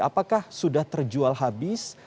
apakah sudah terjual habis